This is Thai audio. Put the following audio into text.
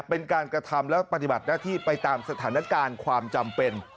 เป็นการกระทำและปฏิบัติหน้าที่ไปตามสถานการณ์ความจำเป็น